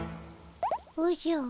おじゃ。